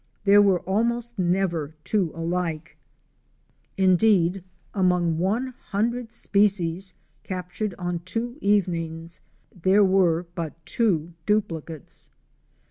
There were almost never two alike; indeed among one hundred species captured on two evenings, there were but two duplicates.